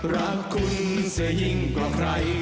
รักคุณจะยิ่งกว่าใคร